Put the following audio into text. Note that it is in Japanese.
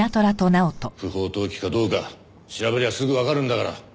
不法投棄かどうかは調べりゃすぐわかるんだから。